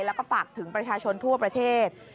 แล้วก็ฝากถึงประชาชนทั่วประเทศ